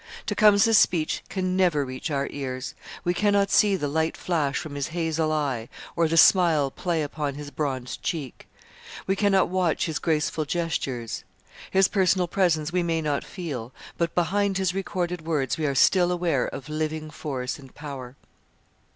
Tecumseh's speech can never reach our ears; we cannot see the light flash from his hazel eye or the smile play upon his bronzed cheek. We cannot watch his graceful gestures. His personal presence we may not feel; but behind his recorded words we are still aware of living force and power.